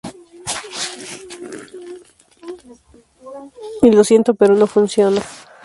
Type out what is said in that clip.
Y lo siento, pero no funciona.